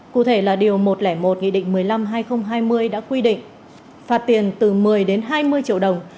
cụ thể là điều một trăm linh một nghị định một mươi năm hai nghìn hai mươi đã quy định phạt tiền từ một mươi đến hai mươi triệu đồng